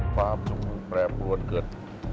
ความจุมือแปรบวลเกิด